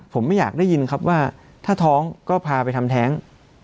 ผมไม่อยากได้ยินครับว่าถ้าท้องก็พาไปทำแท้ง